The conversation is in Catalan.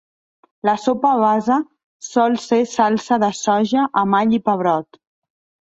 La sopa base sol ser salsa de soja amb all i pebrot.